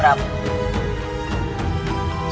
sekarang berubahlah jadi rana santa